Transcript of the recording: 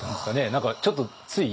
何かちょっとつい。